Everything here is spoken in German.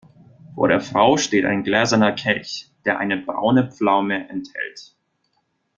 Vor der Frau steht ein gläserner Kelch, der eine braune Pflaume enthält.